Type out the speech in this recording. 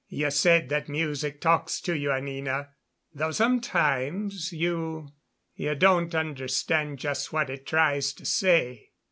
"You said that music talks to you, Anina though sometimes you you don't understand just what it tries to say.